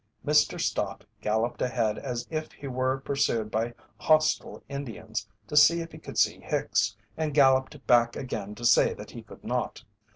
Mr. Stott galloped ahead as if he were pursued by hostile Indians to see if he could see Hicks, and galloped back again to say that he could not.